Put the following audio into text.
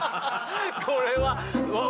これは。